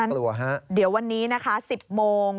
เพราะฉะนั้นเดี๋ยววันนี้นะคะ๑๐โมง